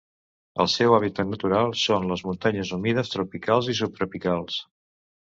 El seu hàbitat natural són les montanes humides tropicals i subtropicals.